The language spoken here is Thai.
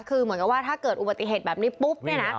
คือถ้าเกิดอุบัติเหตุแบบนี้ปุ๊บ